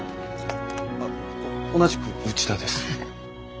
あっ同じく内田です。